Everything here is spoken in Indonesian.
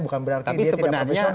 bukan berarti dia tidak membesarkan